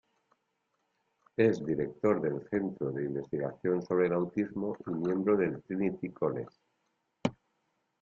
Es director del Centro de Investigación sobre el Autismo y miembro del Trinity College.